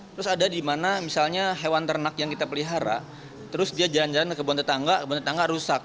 terus ada di mana misalnya hewan ternak yang kita pelihara terus dia jalan jalan ke kebun tetangga kebun tetangga rusak